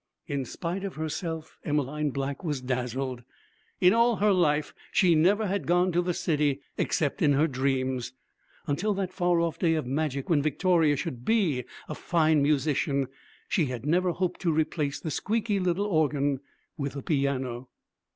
In spite of herself, Emmeline Black was dazzled. In all her life she never had gone to the city except in her dreams. Until that far off day of magic when Victoria should be a fine musician, she had never hoped to replace the squeaky little organ with a piano.